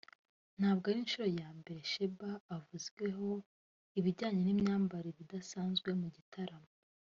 ntabwo ari inshuro ya mbere Sheebah avuzweho ibijyanye n’ imyambaro idasanzwe mu gitaramo